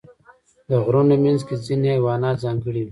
د غرونو منځ کې ځینې حیوانات ځانګړي وي.